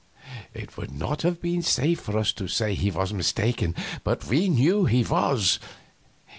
It would not have been safe for us to say he was mistaken, but we knew he was.